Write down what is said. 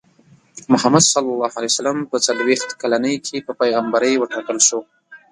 محمد ص په څلوېښت کلنۍ کې په پیغمبرۍ وټاکل شو.